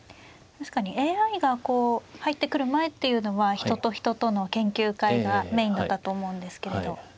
確かにＡＩが入ってくる前っていうのは人と人との研究会がメインだったと思うんですけれど。